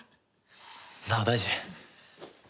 なあ大二。